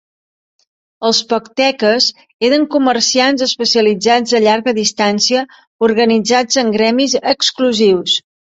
Els pochteques eren comerciants especialitzats de llarga distància organitzats en gremis exclusius.